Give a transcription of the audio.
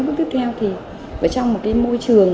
bước tiếp theo thì trong một cái môi trường